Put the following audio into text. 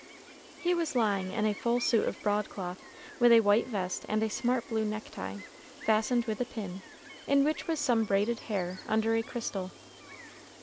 He was lying in a full suit of broadcloth, with a white vest and smart blue neck tie, fastened with a pin, in which was some braided hair under a crystal.